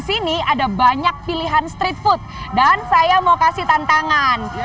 sini ada banyak pilihan street food dan saya mau kasih tantangan